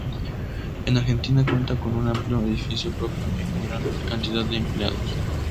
En Argentina cuenta con un amplio edificio propio y con gran cantidad de empleados.